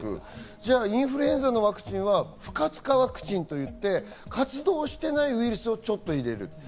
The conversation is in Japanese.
じゃあ、インフルエンザのワクチンは不活化ワクチンといって、活動していないウイルスをちょっと入れる。